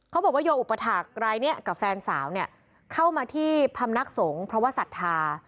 เขาบอกว่าโยมอุปถาครายเนี่ยกับแฟนสาวเนี่ยเข้ามาที่พรรมนักสงฆ์พระวสัทธา